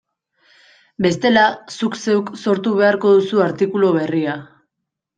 Bestela, zuk zeuk sortu beharko duzu artikulu berria.